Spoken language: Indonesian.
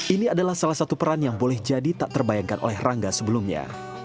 ini adalah salah satu peran yang boleh jadi tak terbayangkan oleh rangga sebelumnya